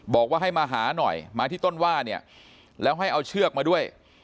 บอกว่าให้มาหาหน่อยมาที่ต้นว่าเนี่ยแล้วให้เอาเชือกมาด้วย